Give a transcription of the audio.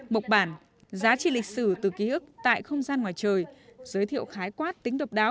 mộc bản giá trị lịch sử từ ký ức tại không gian ngoài trời giới thiệu khái quát tính độc đáo